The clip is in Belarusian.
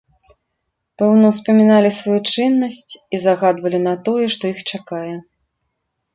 Пэўна, успаміналі сваю чыннасць і загадвалі на тое, што іх чакае.